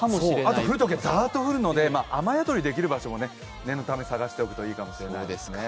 あと、降るときはザッと降るので雨宿りできる場所を念のため探しておくといいかもしれないです。